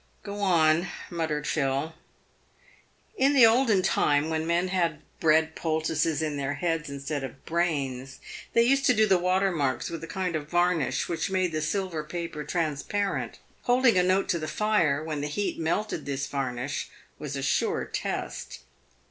" Go on," muttered Phil. " In the olden time, when men had bread poultices in their heads instead of brains, they used to do the water marks with a kind of PAYED WITH GOLD. varnish which made the silver paper transparent. Holding a note to the fire, when the heat melted this varnish, was a sure test.